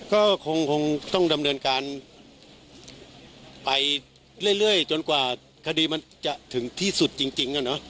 ก็คงต้องดำเนินการไปเรื่อยจนกว่าคดีมันจะถึงที่สุดจริง